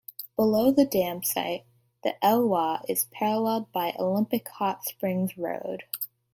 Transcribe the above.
Below the dam site, the Elwha is paralleled by Olympic Hot Springs Road.